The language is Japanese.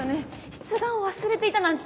出願を忘れていたなんて。